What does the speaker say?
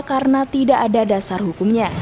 karena tidak ada dasar hukumnya